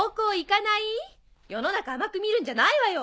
世の中甘くみるんじゃないわよ！